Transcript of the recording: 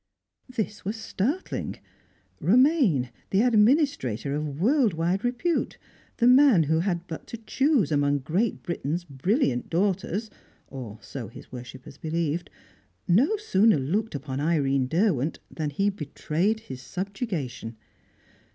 This was startling. Romaine, the administrator of world wide repute, the man who had but to choose among Great Britain's brilliant daughters (or so his worshippers believed), no sooner looked upon Irene Derwent than he betrayed his subjugation.